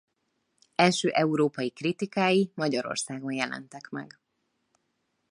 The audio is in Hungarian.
Első európai kritikái Magyarországon jelentek meg.